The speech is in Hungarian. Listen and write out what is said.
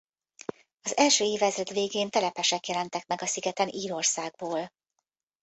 Az első évezred végén telepesek jelentek meg a szigeten Írországból.